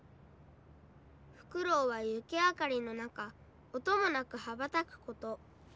フクロウは雪明かりの中音もなく羽ばたくこと。